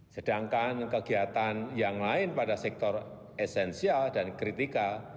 sedangkan kegiatan yang lain pada sektor esensial dan kritikal